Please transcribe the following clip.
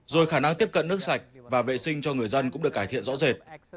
rồi khả năng tiếp cận nước sạch và vệ sinh cho người dân cũng được cải thiện rõ rệt